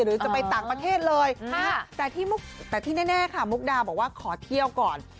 หรือจะไปต่างประเทศเลยแต่ที่แน่ค่ะมุกดาบอกว่าขอเที่ยวก่อน